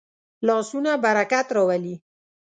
لاسونه برکت راولي